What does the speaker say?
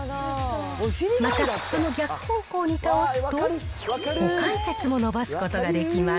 またその逆方向に倒すと、股関節も伸ばすことができます。